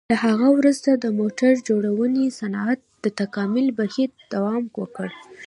له هغه وروسته د موټر جوړونې صنعت د تکامل بهیر دوام وکړ.